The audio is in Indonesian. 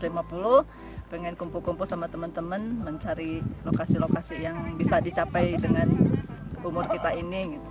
pengen kumpul kumpul sama teman teman mencari lokasi lokasi yang bisa dicapai dengan umur kita ini